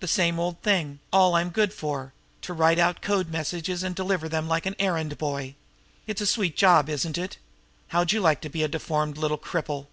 "The same old thing, all I'm good for to write out code messages and deliver them like an errand boy! It's a sweet job, isn't it? How'd you like to be a deformed little cripple?"